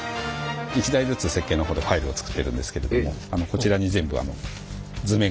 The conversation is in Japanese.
一台ずつ設計のほうでファイルを作っているんですけれどもこちらに図面？